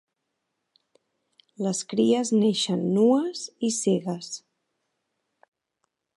Les cries neixen nues i cegues.